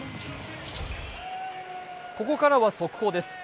ここからは速報です。